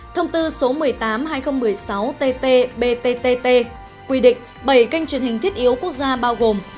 thông tư số một mươi tám hai nghìn một mươi sáu tt btttt quy định bảy kênh truyền hình thiết yếu quốc gia bao gồm